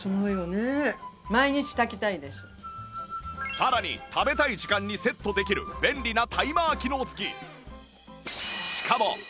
さらに食べたい時間にセットできる便利なタイマー機能付き